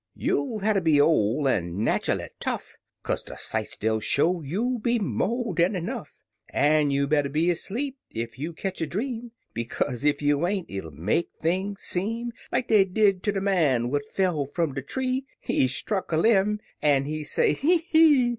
You'll hatter be ol' an' natchally tough, Kaze de sights dey'll show you'll be mo' dan enough; An' you better be asleep ef you ketch a Dream, Bekaze ef you ain't it'll make things seem Like dey did ter de man what fell fum de tree: He struck a lim' an' he say, "Hee hee!